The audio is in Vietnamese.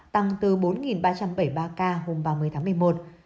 tăng từ bốn ba trăm bảy mươi ba ca hôm ba mươi tháng một mươi một